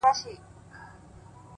• شرنګول مي غزلونه هغه نه یم ,